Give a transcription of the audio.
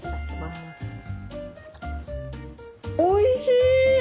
おいしい！